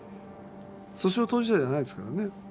訴訟当事者じゃないですからね。